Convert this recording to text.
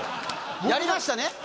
やりましたね？